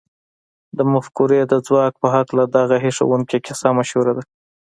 د مفکورې د ځواک په هکله دغه هيښوونکې کيسه مشهوره ده.